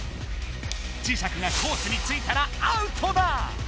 磁石がコースについたらアウトだ！